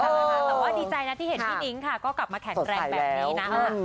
แต่ว่าดีใจนะที่เห็นพี่นิ้งค่ะก็กลับมาแข็งแรงแบบนี้นะ